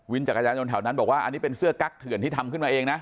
จักรยานยนต์แถวนั้นบอกว่าอันนี้เป็นเสื้อกั๊กเถื่อนที่ทำขึ้นมาเองนะ